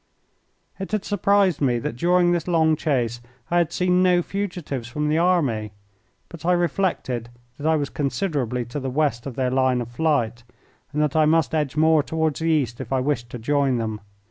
It had surprised me that during this long chase I had seen no fugitives from the army, but I reflected that I was considerably to the west of their line of flight, and that I must edge more toward the east if I wished to join them.